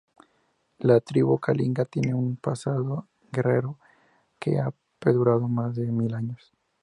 La tribu Kalinga tiene un pasado guerrero que ha perdurado más de mil años.